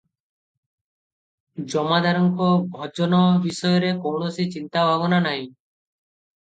ଜମାଦାରଙ୍କ ଭୋଜନ ବିଷୟରେ କୌଣସି ଚିନ୍ତା ଭାବନା ନାହିଁ ।